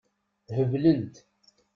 Heblent.